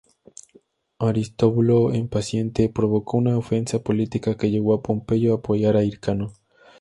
Aristóbulo, impaciente, provocó una ofensa política que llevó a Pompeyo a apoyar a Hircano.